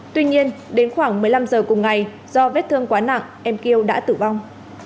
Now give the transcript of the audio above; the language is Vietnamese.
tuy nhiên đến khoảng một mươi năm giờ cùng ngày do vết thương quá nặng em kêu đã tử vong